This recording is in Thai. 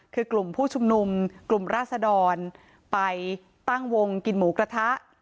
คือกลุ่มผู้ชุมนุมกลุ่มราศดรไปตั้งวงกินหมูกระทะ